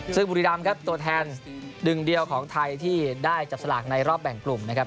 ซึ่งบุรีรำครับตัวแทนหนึ่งเดียวของไทยที่ได้จับสลากในรอบแบ่งกลุ่มนะครับ